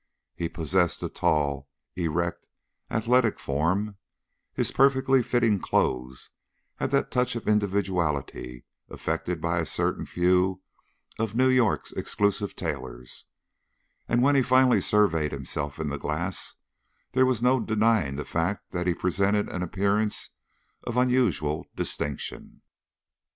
He possessed a tall, erect, athletic form, his perfectly fitting clothes had that touch of individuality affected by a certain few of New York's exclusive tailors, and when he finally surveyed himself in the glass, there was no denying the fact that he presented an appearance of unusual distinction.